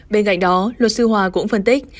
bên cạnh đó luật sư hòa cũng phân tích